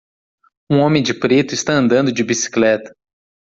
Um homem de preto está andando de bicicleta.